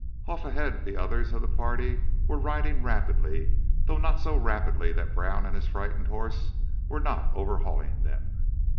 Off ahead the others of the party were riding rapidly, though not so rapidly that Brown and his frightened horse were not overhauling them.